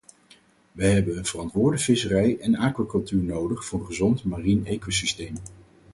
Wij hebben een verantwoorde visserij en aquacultuur nodig voor een gezond marien ecosysteem.